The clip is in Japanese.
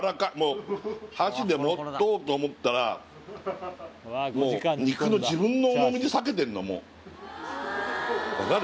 箸で持とうと思ったらもう肉の自分の重みで割けてんのもう分かる？